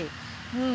うん。